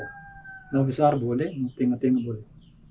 kalau besar boleh tingkat tingkat boleh